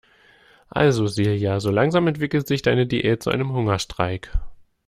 Also Silja, so langsam entwickelt sich deine Diät zu einem Hungerstreik.